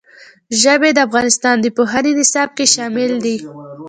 ژبې د افغانستان د پوهنې نصاب کې شامل دي.